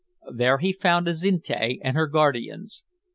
There he found Azinte and her guardians.